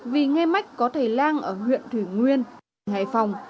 vì nghe mách có thầy lang ở huyện thủy nguyên tỉnh hải phòng